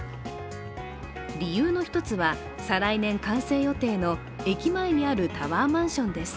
理由の１つは、再来年完成予定の駅前にあるタワーマンションです。